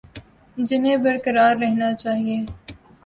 جنہیں برقرار رہنا چاہیے